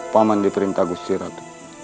pak man diperintah kusirat